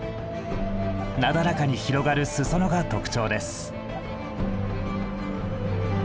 なだらかに広がる裾野が特徴です。